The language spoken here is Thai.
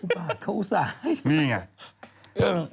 บ้าจริงเขาอุตส่ายใช่ไหมครับนี่ไง